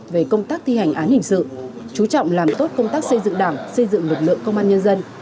về công tác thi hành án hình sự chú trọng làm tốt công tác xây dựng đảng xây dựng lực lượng công an nhân dân